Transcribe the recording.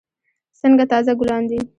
څنګه تازه ګلان دي.